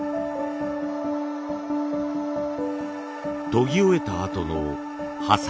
研ぎ終えたあとの刃先。